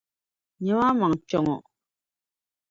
Nyami a maŋa kpe ŋɔ.